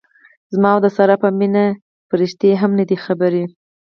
زما او د سارې په مینه پریښتې هم نه دي خبرې.